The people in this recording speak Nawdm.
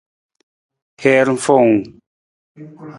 Hiir fowung.